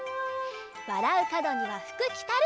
「わらうかどにはふくきたる」！